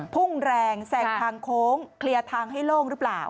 พุ่งแรงแสงทางโค้งเคลียร์ทางให้โล่งหรือเปล่า